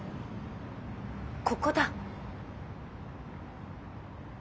ここだ。